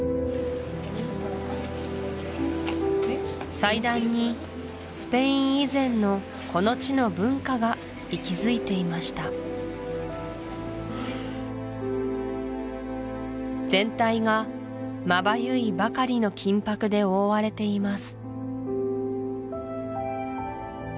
祭壇にスペイン以前のこの地の文化が息づいていました全体がまばゆいばかりの金箔で覆われています